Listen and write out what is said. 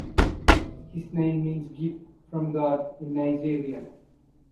His name means "gift from God" in Nigerian.